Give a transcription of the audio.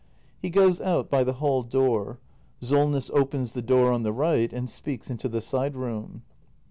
[He goes out by the hall door. Solness opens the door on the right and speaks into the side room.